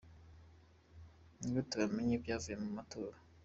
Ni gute wamenya ibyavuye mu matora ?